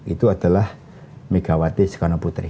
itu adalah megawati sekonoputri